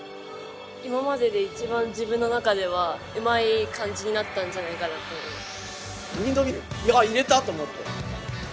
今まででいちばん自分の中ではうまいかんじになったんじゃないかなと思います。